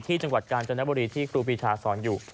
จังหวัดกาญจนบุรีที่ครูปีชาสอนอยู่